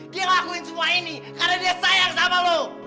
dia lakuin semua ini karena dia sayang sama lo